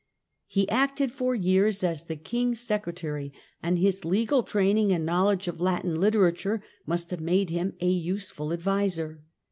He acted for years as the King's secre ary, and his legal training and knowledge of Latin iterature must have made him a useful adviser.